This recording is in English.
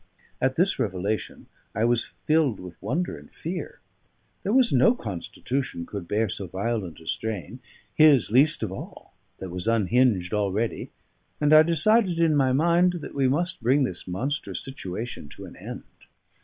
At this revelation I was filled with wonder and fear. There was no constitution could bear so violent a strain his least of all, that was unhinged already; and I decided in my mind that we must bring this monstrous situation to an end.